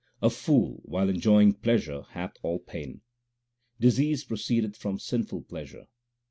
A fool while enjoying pleasure hath all pain : Disease proceedeth from sinful pleasure.